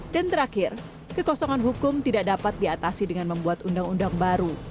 dan terakhir kekosongan hukum tidak dapat diatasi dengan membuat undang undang baru